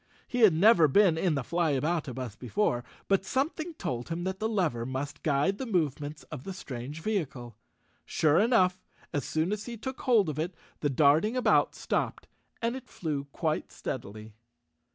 He had never been in the Flyaboutabus before, but something told him that the lever must guide the movements of the strange vehicle. Sure enough, as soon as he took hold of it, the darting about stopped and it flew quite steadily.